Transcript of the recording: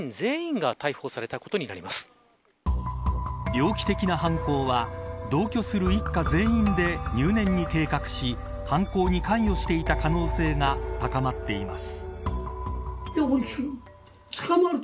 猟奇的な犯行は同居する一家全員で入念に計画し犯行に関与していた可能性が高まっています。